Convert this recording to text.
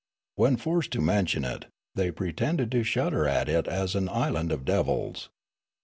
When forced to mention it, they pretended to shudder at it as an island of devils.